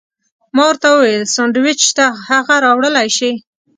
ما ورته وویل: سانډویچ شته، هغه راوړلی شې؟